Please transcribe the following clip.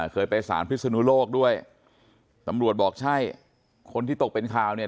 เคยไปสารพิศนุโลกด้วยตำรวจบอกใช่คนที่ตกเป็นข่าวเนี่ย